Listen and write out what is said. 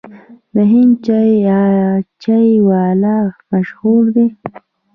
د هند چای یا چای والا مشهور دی.